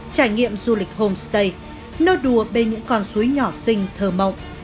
trải nghiệm du lịch homestay nơi đùa bên những con suối nhỏ xinh thơ mộng